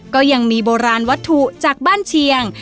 ก็ยังมีโบราณวัตถุจากบ้านเชียง